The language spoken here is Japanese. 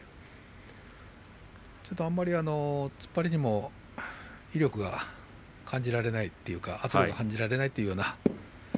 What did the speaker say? ちょっとあんまり突っ張りにも威力が感じられないというか圧力を感じられないような。